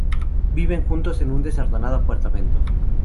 Viven juntos en un desordenado apartamento.